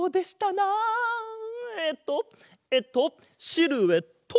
えっとえっとシルエット！